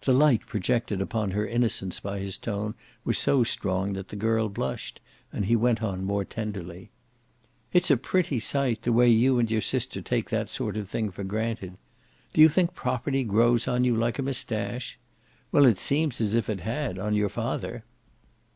The light projected upon her innocence by his tone was so strong that the girl blushed, and he went on more tenderly: "It's a pretty sight, the way you and your sister take that sort of thing for granted. Do you think property grows on you like a moustache? Well, it seems as if it had, on your father.